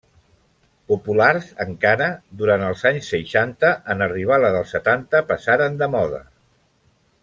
Populars, encara, durant els anys seixanta, en arribar la dels setanta passaren de moda.